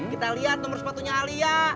kita lihat nomor sepatunya alia